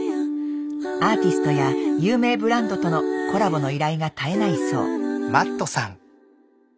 アーティストや有名ブランドとのコラボの依頼が絶えないそう。